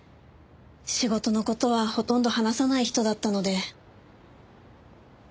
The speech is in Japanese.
仕事の事はほとんど話さない人だったので。